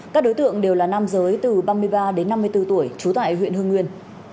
các đối tượng đều là nam giới từ ba mươi ba đến năm mươi bốn tuổi trú tại huyện hương nguyên